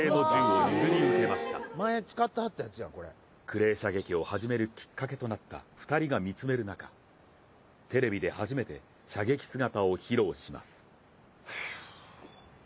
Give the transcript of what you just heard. クレー射撃を始めるきっかけとなった２人が見つめる中、テレビで初めて射撃姿を披露します。